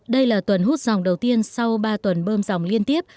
đây là tuần hút dòng đầu tiên sau ba tuần bơm dòng liên tiếp